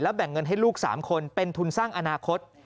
แบ่งเงินให้ลูก๓คนเป็นทุนสร้างอนาคต